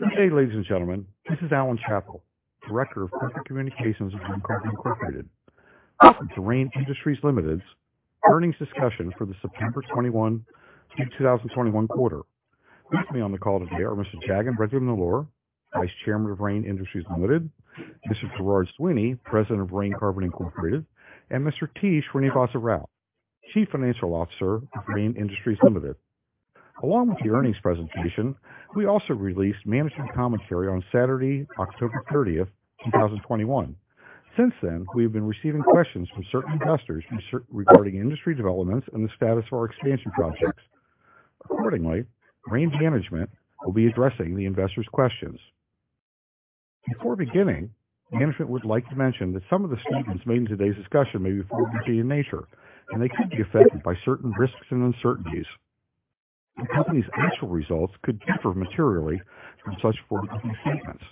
Good day, ladies and gentlemen. This is Alan Chappell, Director of Corporate Communications of Rain Carbon Incorporated. This is Rain Industries Limited's earnings discussion for the September 21, 2021 quarter. With me on the call today are Mr. Jagan Mohan Reddy Nellore, Vice Chairman of Rain Industries Limited, Mr. Gerard Sweeney, President of Rain Carbon Incorporated, and Mr. T. Srinivasa Rao, Chief Financial Officer of Rain Industries Limited. Along with the earnings presentation, we also released management commentary on Saturday, October 30, 2021. Since then, we have been receiving questions from certain investors regarding industry developments and the status of our expansion projects. Accordingly, Rain management will be addressing the investors' questions. Before beginning, management would like to mention that some of the statements made in today's discussion may be forward-looking in nature, and they could be affected by certain risks and uncertainties, and the company's actual results could differ materially from such forward-looking statements.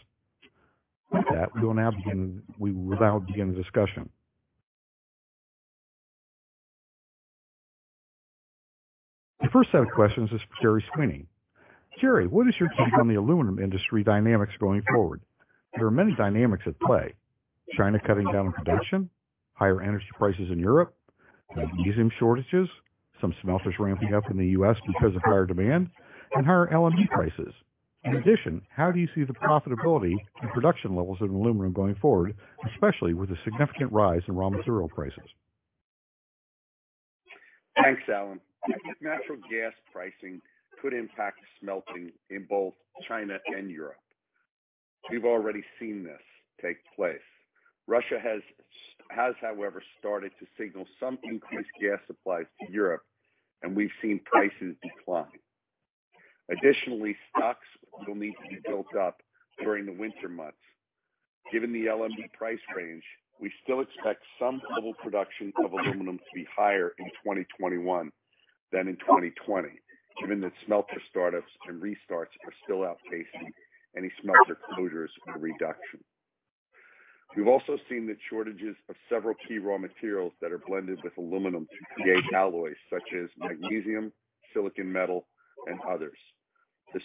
With that, we will now begin the discussion. The first set of questions is for Gerry Sweeney. Gerry, what is your take on the aluminum industry dynamics going forward? There are many dynamics at play. China cutting down on production, higher energy prices in Europe, magnesium shortages, some smelters ramping up in the U.S. because of higher demand, and higher LME prices. In addition, how do you see the profitability and production levels of aluminum going forward, especially with the significant rise in raw material prices? Thanks, Alan. Natural gas pricing could impact smelting in both China and Europe. We've already seen this take place. Russia has, however, started to signal some increased gas supplies to Europe, and we've seen prices decline. Additionally, stocks will need to be built up during the winter months. Given the LME price range, we still expect some global production of aluminum to be higher in 2021 than in 2020, given that smelter startups and restarts are still outpacing any smelter closures or reduction. We've also seen the shortages of several key raw materials that are blended with aluminum to create alloys such as magnesium, silicon metal, and others. The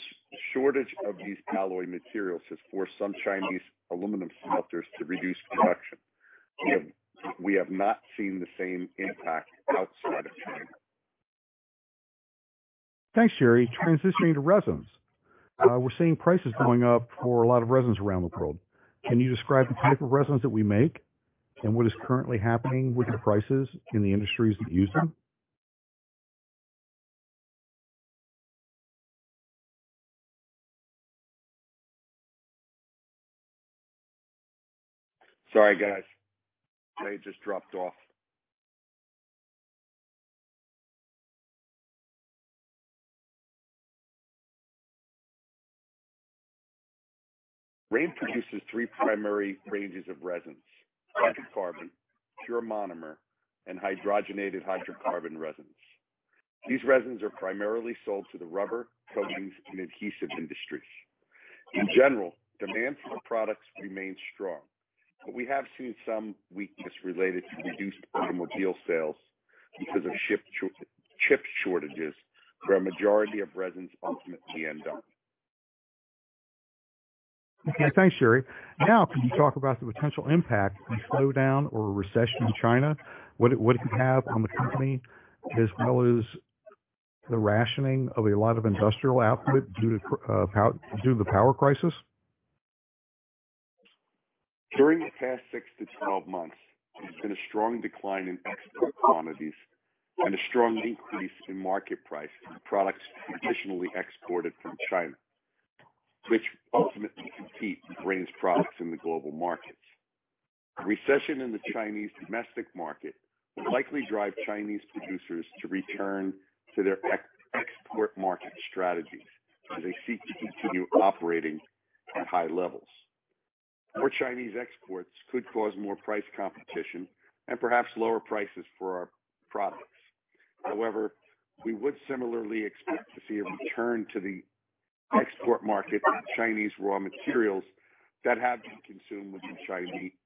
shortage of these alloy materials has forced some Chinese aluminum smelters to reduce production. We have not seen the same impact outside of China. Thanks, Gerry. Transitioning to resins. We're seeing prices going up for a lot of resins around the world. Can you describe the type of resins that we make and what is currently happening with the prices in the industries that use them? Sorry, guys. They just dropped off. Rain produces three primary ranges of resins: aromatic hydrocarbon, pure monomer resins, and hydrogenated hydrocarbon resins. These resins are primarily sold to the rubber, coatings, and adhesive industries. In general, demand for our products remains strong, but we have seen some weakness related to reduced automobile sales because of chip shortages, where a majority of resins ultimately end up. Okay, thanks, Gerry. Now, can you talk about the potential impact of a slowdown or a recession in China? What it would have on the company, as well as the rationing of a lot of industrial output due to the power crisis? During the past 6-12 months, there's been a strong decline in export commodities and a strong increase in market price for products traditionally exported from China, which ultimately compete with Rain's products in the global markets. Recession in the Chinese domestic market would likely drive Chinese producers to return to their export market strategies as they seek to continue operating at high levels. More Chinese exports could cause more price competition and perhaps lower prices for our products. However, we would similarly expect to see a return to the export market of Chinese raw materials that have been consumed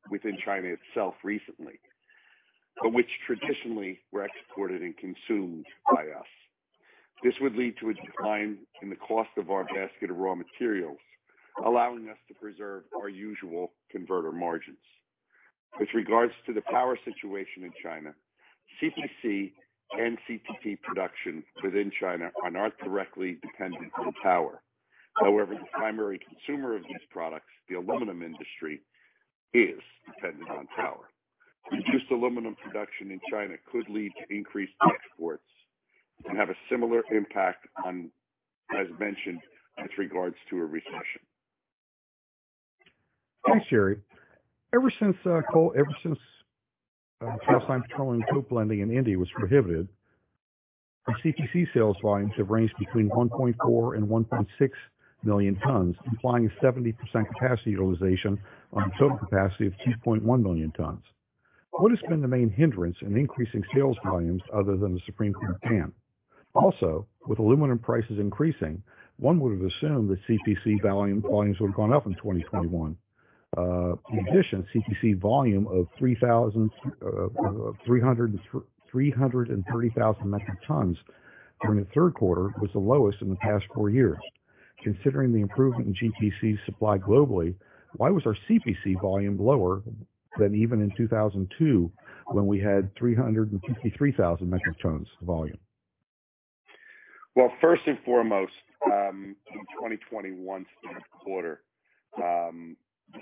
within China itself recently, but which traditionally were exported and consumed by us. This would lead to a decline in the cost of our basket of raw materials, allowing us to preserve our usual converter margins. With regards to the power situation in China, CPC and CTP production within China are not directly dependent on power. However, the primary consumer of these products, the aluminum industry, is dependent on power. Reduced aluminum production in China could lead to increased exports and have a similar impact on, as mentioned, with regards to a recession. Thanks, Gerry. Ever since calcined petroleum coke blending in India was prohibited, our CPC sales volumes have ranged between 1.4 million tons-1.6 million tons, implying 70% capacity utilization on a total capacity of 2.1 million tons. What has been the main hindrance in increasing sales volumes other than the Supreme Court ban? Also, with aluminum prices increasing, one would have assumed that CPC volumes would have gone up in 2021. In addition, CPC volume of 330,000 metric tons during the third quarter was the lowest in the past four years. Considering the improvement in GPC supply globally, why was our CPC volume lower than even in 2002 when we had 353,000 metric tons of volume? Well, first and foremost, in the 2021 third quarter, the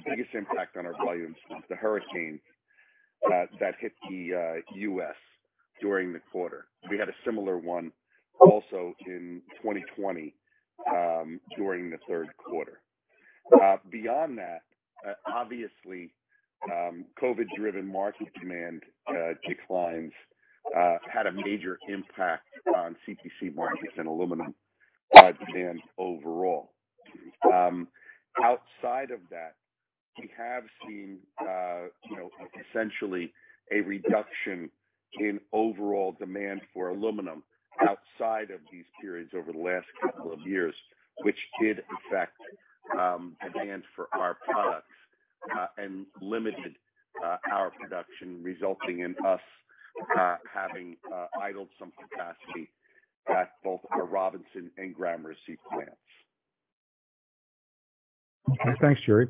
biggest impact on our volumes was the hurricane that hit the U.S. during the quarter. We had a similar one also in 2020 during the third quarter. Beyond that, obviously, COVID-driven market demand declines had a major impact on CPC markets and aluminum demand overall. Outside of that, we have seen, you know, essentially a reduction in overall demand for aluminum outside of these periods over the last couple of years, which did affect demand for our products and limited our production, resulting in us having idled some capacity at both our Robinson and Gramercy plants. Okay, thanks, Gerry.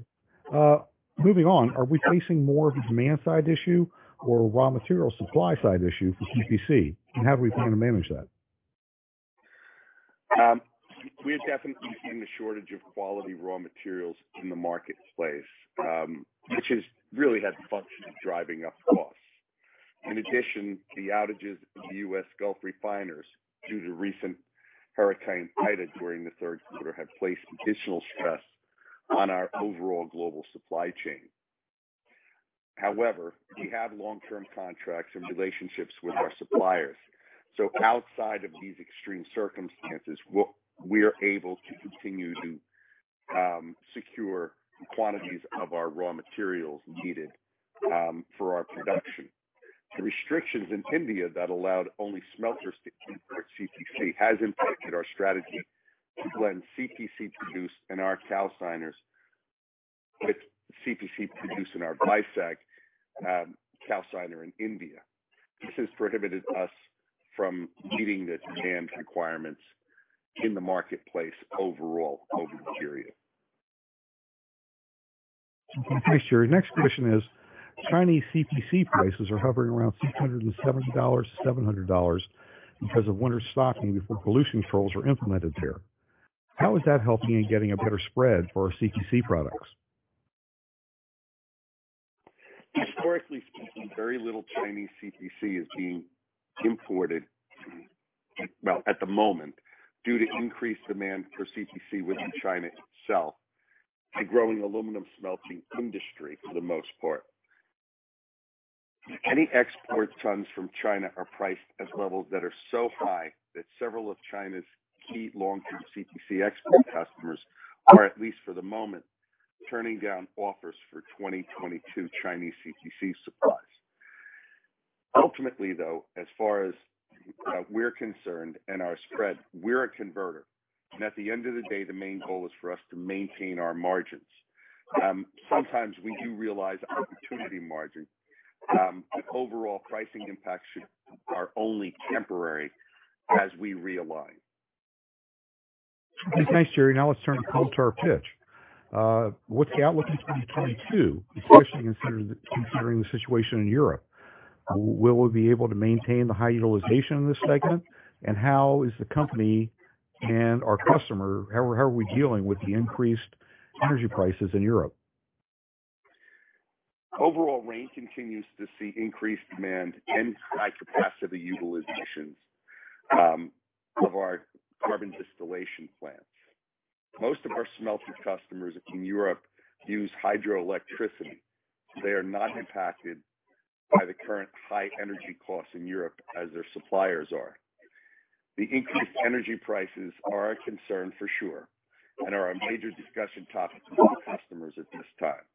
Moving on. Are we facing more of a demand side issue or raw material supply side issue for CPC? And how do we plan to manage that? We have definitely seen the shortage of quality raw materials in the marketplace, which has really had the function of driving up costs. In addition, the outages of the U.S. Gulf refiners due to recent Hurricane Ida during the third quarter have placed additional stress on our overall global supply chain. However, we have long-term contracts and relationships with our suppliers, so outside of these extreme circumstances, we are able to continue to secure quantities of our raw materials needed for our production. The restrictions in India that allowed only smelters to import CPC has impacted our strategy to blend CPC produced in our calciners with CPC produced in our Vizag calciner in India. This has prohibited us from meeting the demand requirements in the marketplace overall over the period. Okay, thanks, Gerry. Next question is, Chinese CPC prices are hovering around $670-$700 because of winter stocking before pollution controls are implemented there. How is that helping in getting a better spread for our CPC products? Historically speaking, very little Chinese CPC is being imported at the moment due to increased demand for CPC within China itself, a growing aluminum smelting industry for the most part. Any export tons from China are priced at levels that are so high that several of China's key long-term CPC export customers are, at least for the moment, turning down offers for 2022 Chinese CPC supplies. Ultimately, though, as far as we're concerned and our spread, we're a converter. At the end of the day, the main goal is for us to maintain our margins. Sometimes we do realize opportunity margin. Overall pricing impacts are only temporary as we realign. Thanks. Thanks, Gerry. Now let's turn the call to our pitch. What's the outlook in 2022, especially considering the situation in Europe? Will we be able to maintain the high utilization in this segment? And how are we dealing with the increased energy prices in Europe? Overall, RAIN continues to see increased demand and high capacity utilizations of our carbon distillation plants. Most of our smelter customers in Europe use hydroelectricity. They are not impacted by the current high energy costs in Europe as their suppliers are. The increased energy prices are a concern for sure and are a major discussion topic with our customers at this time.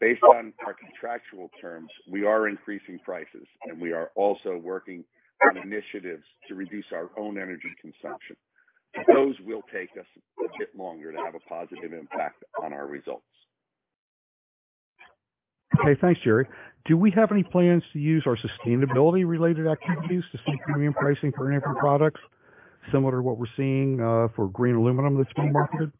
Based on our contractual terms, we are increasing prices, and we are also working on initiatives to reduce our own energy consumption. Those will take us a bit longer to have a positive impact on our results. Okay, thanks, Gerry. Do we have any plans to use our sustainability-related activities to seek premium pricing for any of our products similar to what we're seeing for green aluminum that's being marketed?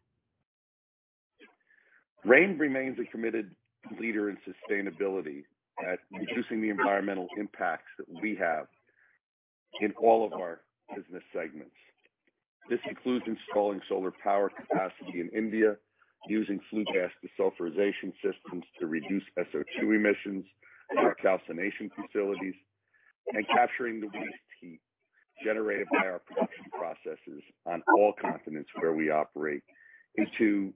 Rain remains a committed leader in sustainability at reducing the environmental impacts that we have in all of our business segments. This includes installing solar power capacity in India, using flue gas desulfurization systems to reduce SO2 emissions at our calcination facilities, and capturing the waste heat generated by our production processes on all continents where we operate and to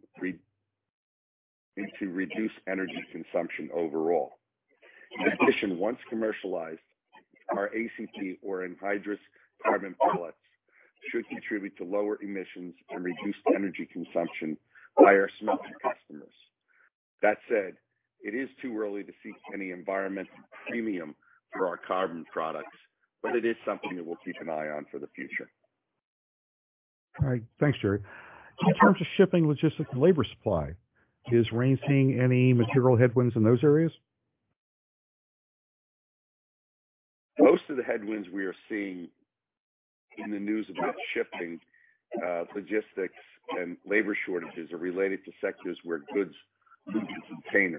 reduce energy consumption overall. In addition, once commercialized, our ACP or anhydrous carbon pellets should contribute to lower emissions and reduced energy consumption by our smelter customers. That said, it is too early to seek any environmental premium for our carbon products, but it is something that we'll keep an eye on for the future. All right. Thanks, Gerry. In terms of shipping logistics and labor supply, is Rain seeing any material headwinds in those areas? Most of the headwinds we are seeing in the news about shipping, logistics and labor shortages are related to sectors where goods move in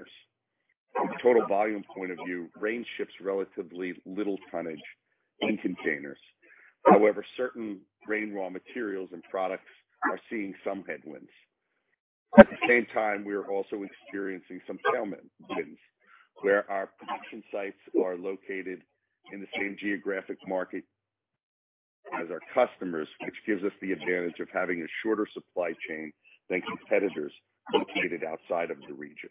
containers. From a total volume point of view, Rain ships relatively little tonnage in containers. However, certain Rain raw materials and products are seeing some headwinds. At the same time, we are also experiencing some tailwind wins, where our production sites are located in the same geographic market as our customers, which gives us the advantage of having a shorter supply chain than competitors located outside of the region.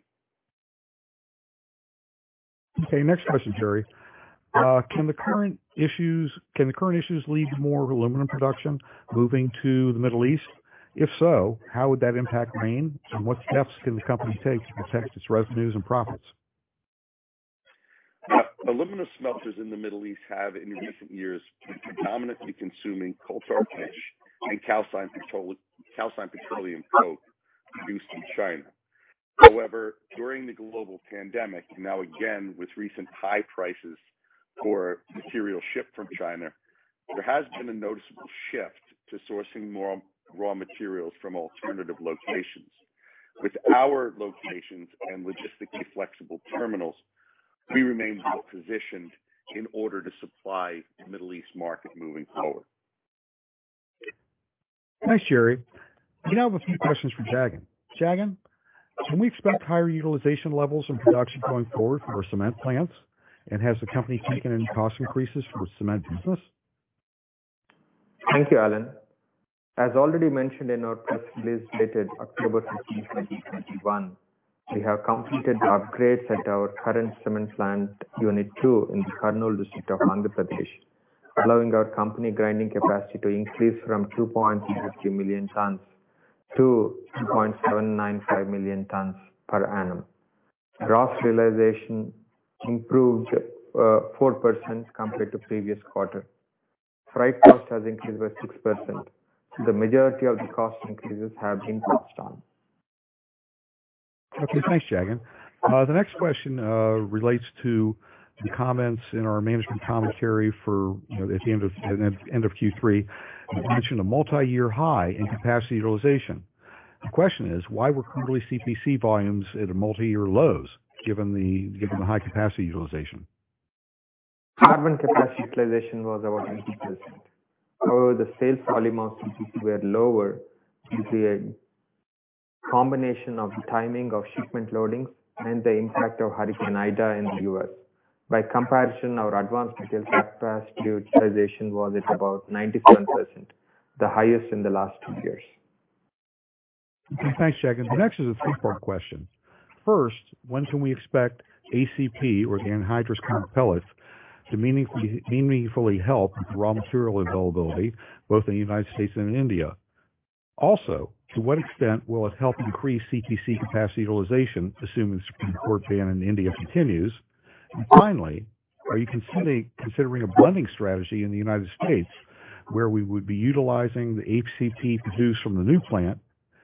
Okay. Next question, Gerry. Can the current issues lead to more aluminum production moving to the Middle East? If so, how would that impact Rain, and what steps can the company take to protect its revenues and profits? Aluminum smelters in the Middle East have, in recent years, been predominantly consuming coal tar pitch and calcined petroleum coke produced in China. However, during the global pandemic, now again with recent high prices for material shipped from China, there has been a noticeable shift to sourcing more raw materials from alternative locations. With our locations and logistically flexible terminals, we remain well-positioned in order to supply the Middle East market moving forward. Thanks, Jerry. We now have a few questions for Jagan. Jagan, can we expect higher utilization levels and production going forward for our cement plants? Has the company taken any cost increases for the cement business? Thank you, Alan. As already mentioned in our press release dated October 15, 2021, we have completed the upgrades at our current cement plant unit two in the Kurnool district of Andhra Pradesh, allowing our company grinding capacity to increase from 2.62 million tons to 2.795 million tons per annum. Gross realization improved 4% compared to previous quarter. Freight cost has increased by 6%. The majority of the cost increases have been passed on. Okay, thanks, Jagan. The next question relates to the comments in our management commentary for, you know, at the end of Q3. You mentioned a multi-year high in capacity utilization. The question is, why were quarterly CPC volumes at a multi-year lows given the high capacity utilization? Carbon capacity utilization was about 90%. However, the sales volume of CPC were lower due to a combination of timing of shipment loadings and the impact of Hurricane Ida in the U.S. By comparison, our advanced material capacity utilization was at about 97%, the highest in the last two years. Okay, thanks, Jagan. The next is a three-part question. First, when can we expect ACP or the Anhydrous Carbon Pellets to meaningfully help raw material availability both in the United States and India? Also, to what extent will it help increase CPC capacity utilization, assuming the Supreme Court ban in India continues? And finally, are you considering a blending strategy in the United States where we would be utilizing the ACP produced from the new plant?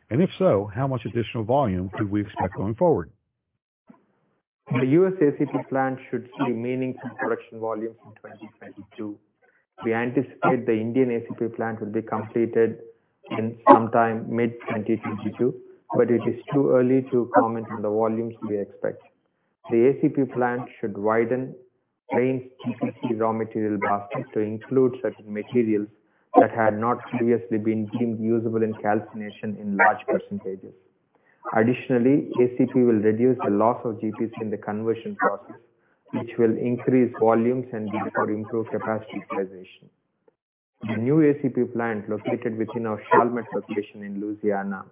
And if so, how much additional volume could we expect going forward? The U.S. ACP plant should see meaningful production volumes in 2022. We anticipate the Indian ACP plant will be completed in sometime mid-2022, but it is too early to comment on the volumes we expect. The ACP plant should widen Rain's CPC raw material basket to include certain materials that had not previously been deemed usable in calcination in large percentages. Additionally, ACP will reduce the loss of GPC in the conversion process, which will increase volumes and therefore improve capacity utilization. The new ACP plant located within our Chalmette location in Louisiana,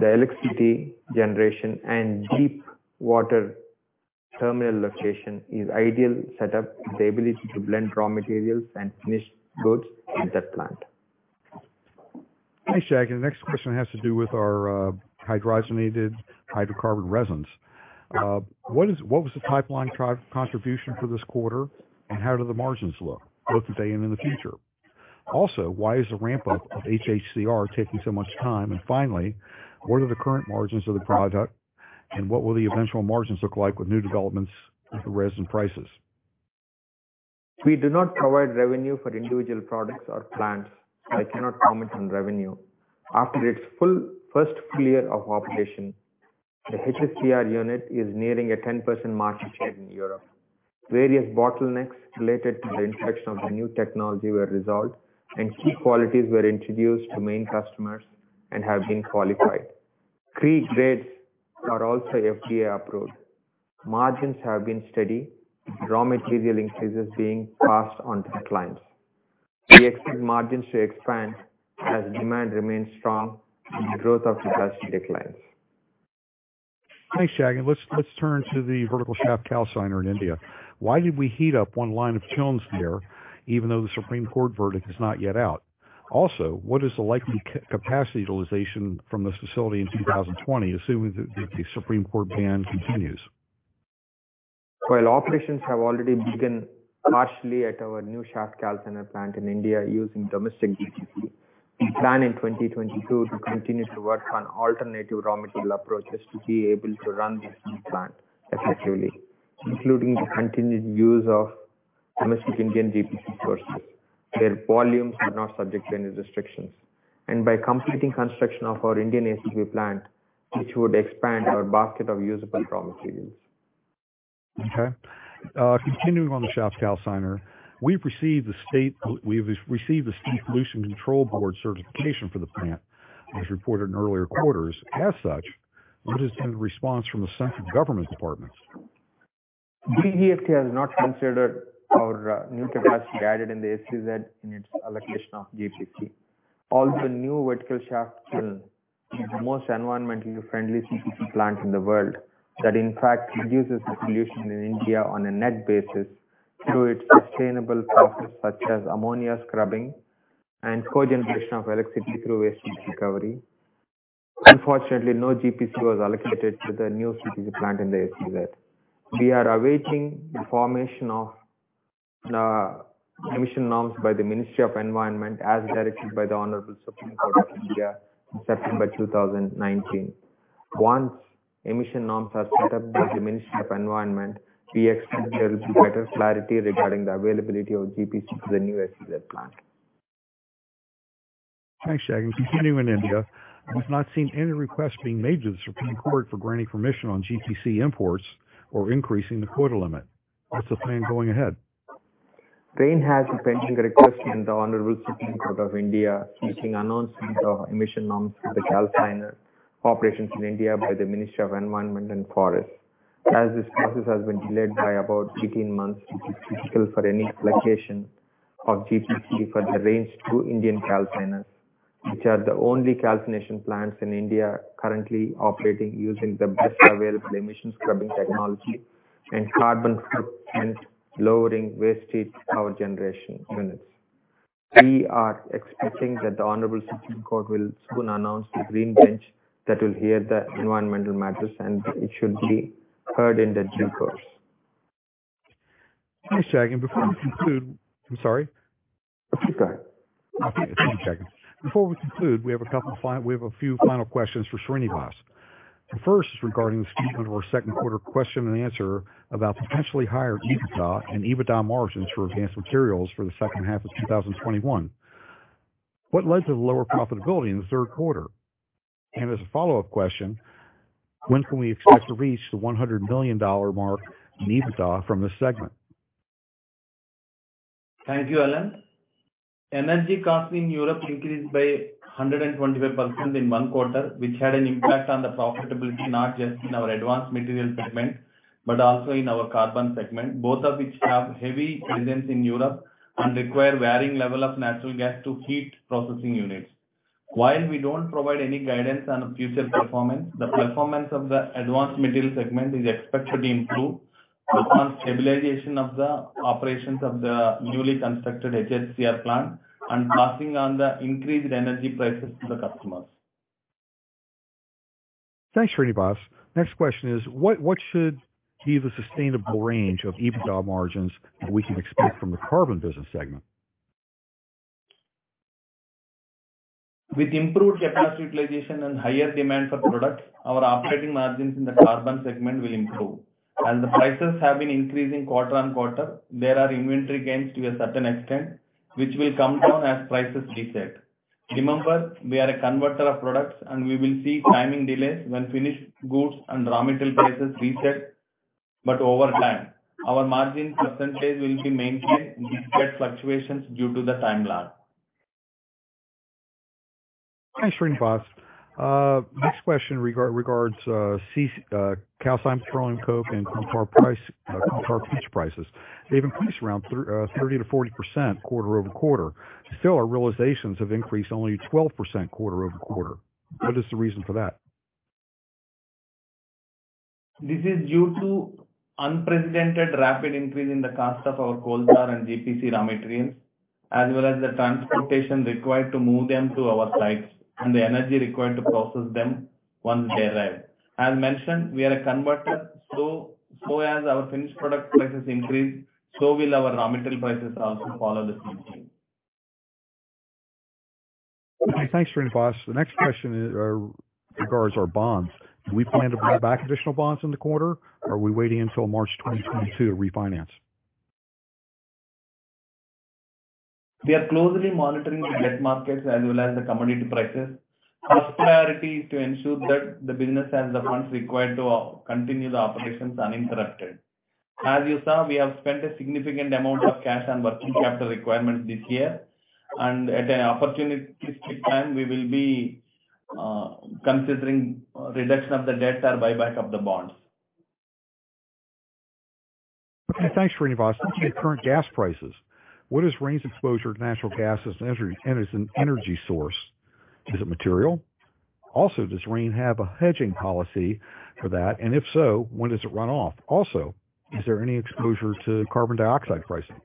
the electricity generation and deep water terminal location is ideal set up with the ability to blend raw materials and finished goods at that plant. Thanks, Jagan. The next question has to do with our hydrogenated hydrocarbon resins. What was the pipeline contribution for this quarter, and how do the margins look, both today and in the future? Also, why is the ramp-up of HHCR taking so much time? And finally, what are the current margins of the product, and what will the eventual margins look like with new developments in the resin prices? We do not provide revenue for individual products or plants, so I cannot comment on revenue. After its full first year of operation, the HHCR unit is nearing a 10% market share in Europe. Various bottlenecks related to the introduction of the new technology were resolved, and key qualities were introduced to main customers and have been qualified. Three grades are also FDA-approved. Margins have been steady, raw material increases being passed on to clients. We expect margins to expand as demand remains strong and the growth of capacity declines. Thanks, Jagan. Let's turn to the Vertical Shaft Calciner in India. Why did we heat up one line of kilns there, even though the Supreme Court verdict is not yet out? Also, what is the likely capacity utilization from this facility in 2020, assuming that the Supreme Court ban continues? While operations have already begun partially at our new Shaft Calciner plant in India using domestic GPC. We plan in 2022 to continue to work on alternative raw material approaches to be able to run this new plant effectively, including the continued use of domestic Indian GPC sources, where volumes are not subject to any restrictions. By completing construction of our Indian ACP plant, which would expand our basket of usable raw materials. Okay. Continuing on the Shaft Calciner. We've received the State Pollution Control Board certification for the plant, as reported in earlier quarters. As such, what has been the response from the central government departments? DGFT has not considered our new capacity added in the SEZ in its allocation of GPC. Although the new vertical shaft kiln is the most environmentally friendly CPC plant in the world, that in fact reduces the pollution in India on a net basis through its sustainable process such as ammonia scrubbing and cogeneration of electricity through waste heat recovery. Unfortunately, no GPC was allocated to the new CPC plant in the SEZ. We are awaiting the formation of emission norms by the Ministry of Environment as directed by the Honorable Supreme Court of India in September 2019. Once emission norms are set up by the Ministry of Environment, we expect there will be better clarity regarding the availability of GPC to the new SEZ plant. Thanks, Jagan. Continuing in India, we've not seen any request being made to the Supreme Court for granting permission on GPC imports or increasing the quota limit. What's the plan going ahead? Rain Industries has a pending request in the Honorable Supreme Court of India seeking announcement of emission norms for the calciner operations in India by the Ministry of Environment, Forest and Climate Change. This process has been delayed by about 18 months, it is critical for any allocation of GPC for Rain Industries's two Indian calciners, which are the only calcination plants in India currently operating using the best available emission scrubbing technology and carbon footprint-lowering waste heat power generation units. We are expecting that the Honorable Supreme Court will soon announce the green bench that will hear the environmental matters, and it should be heard in due course. Thanks, Jagan. Before we conclude. I'm sorry? Keep going. Okay. Thank you, Jagan. Before we conclude, we have a few final questions for Srinivas. The first is regarding the statement of our second quarter question and answer about potentially higher EBITDA and EBITDA margins for Advanced Materials for the second half of 2021. What led to the lower profitability in the third quarter? And as a follow-up question, when can we expect to reach the $100 million mark in EBITDA from this segment? Thank you, Alan. Energy costs in Europe increased by 125% in one quarter, which had an impact on the profitability, not just in our Advanced Materials segment, but also in our Carbon segment. Both of which have heavy presence in Europe and require varying level of natural gas to heat processing units. While we don't provide any guidance on future performance, the performance of the Advanced Materials segment is expected to improve based on stabilization of the operations of the newly constructed HHCR plant and passing on the increased energy prices to the customers. Thanks, Srinivas. Next question is, what should be the sustainable range of EBITDA margins that we can expect from the carbon business segment? With improved capacity utilization and higher demand for products, our operating margins in the carbon segment will improve. As the prices have been increasing quarter on quarter, there are inventory gains to a certain extent, which will come down as prices reset. Remember, we are a converter of products, and we will see timing delays when finished goods and raw material prices reset. Over time, our margin percentage will be maintained despite fluctuations due to the time lag. Thanks, Srinivas. Next question regards calcined petroleum coke and coal tar price, coal tar pitch prices. They've increased around 30%-40% quarter-over-quarter. Still, our realizations have increased only 12% quarter-over-quarter. What is the reason for that? This is due to unprecedented rapid increase in the cost of our coal tar and GPC raw materials, as well as the transportation required to move them to our sites and the energy required to process them once they arrive. As mentioned, we are a converter, so as our finished product prices increase, so will our raw material prices also follow the same trend. Okay, thanks, Srinivas. The next question is regarding our bonds. Do we plan to buy back additional bonds in the quarter, or are we waiting until March 2022 to refinance? We are closely monitoring the debt markets as well as the commodity prices. Our priority is to ensure that the business has the funds required to continue the operations uninterrupted. As you saw, we have spent a significant amount of cash on working capital requirements this year, and at an opportunistic time, we will be considering reduction of the debts or buyback of the bonds. Okay, thanks, Srinivas. Looking at current gas prices, what is RAIN's exposure to natural gas as an energy source? Is it material? Also, does RAIN have a hedging policy for that? If so, when does it run off? Also, is there any exposure to carbon dioxide pricing?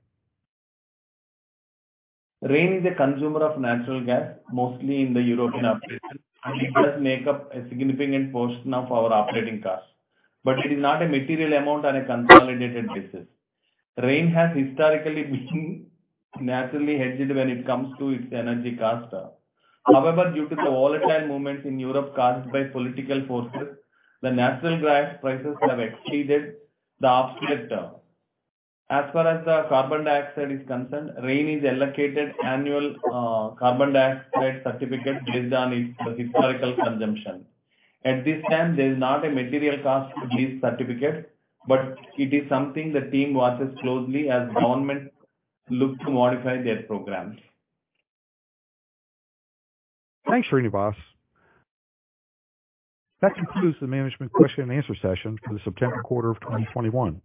RAIN is a consumer of natural gas, mostly in the European operations. It does make up a significant portion of our operating costs, but it is not a material amount on a consolidated basis. RAIN has historically been naturally hedged when it comes to its energy costs. However, due to the volatile movements in Europe caused by political forces, the natural gas prices have exceeded the off-peak term. As far as the carbon dioxide is concerned, RAIN is allocated annual, carbon dioxide certificate based on its historical consumption. At this time, there is not a material cost to these certificates, but it is something the team watches closely as governments look to modify their programs. Thanks, Srinivas. That concludes the management question and answer session for the September quarter of 2021.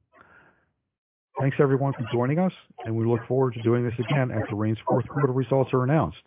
Thanks, everyone, for joining us, and we look forward to doing this again after Rain's fourth quarter results are announced.